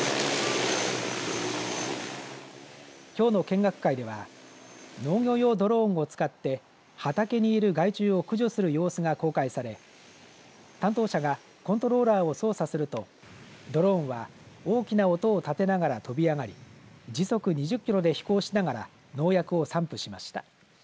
きょうの見学会では農業用ドローンを使って畑にいる害虫を駆除する様子が公開され担当者がコントローラーを操作するとドローンは大きな音を立てながら飛び上がり時速２０キロで飛行しながら農薬を散布しました。